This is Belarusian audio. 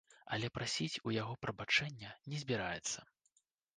Але прасіць у яго прабачэння не збіраецца.